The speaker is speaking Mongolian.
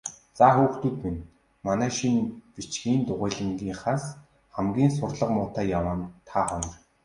Заа, хүүхдүүд минь, манай шинэ бичгийн дугуйлангийнхнаас хамгийн сурлага муутай яваа нь та хоёр.